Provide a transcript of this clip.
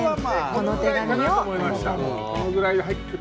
このぐらいで入ってくる。